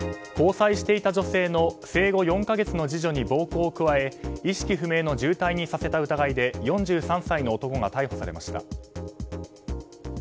交際していた女性の生後４か月の次女に暴行を加え意識不明の重体にさせた疑いで４３歳の男が逮捕されました。